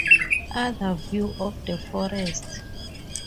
Other view of the forest.